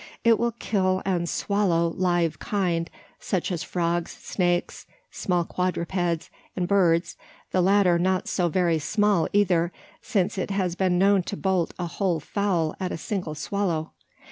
It will kill and swallow live kind such as frogs, snakes, small quadrupeds, and birds the latter not so very small either: since it has been known to bolt a whole fowl at a single "swallow."